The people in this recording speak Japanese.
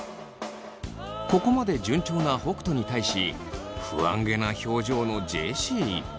ここまで順調な北斗に対し不安げな表情のジェシー。